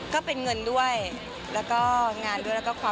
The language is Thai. ก็เป็นเงินด้วยแล้วก็งานด้วย